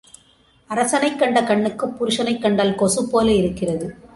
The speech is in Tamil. அரசனைக் கண்ட கண்ணுக்குப் புருஷனைக் கண்டால் கொசுப் போல இருக்கிறது.